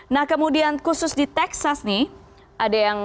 nah kemudian khusus di texas nih